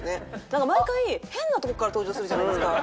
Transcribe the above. なんか毎回変な所から登場するじゃないですか。